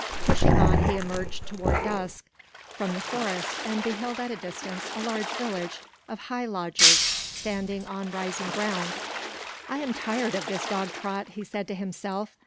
Pushing on, he emerged toward dusk from the forest and beheld at a distance a large village of high lodges standing on rising ground. "I am tired of this dog trot," he said to himself.